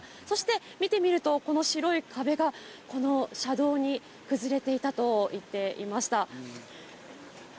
そして見てみるとこの白い壁が、この車道に崩れていたと言っていました。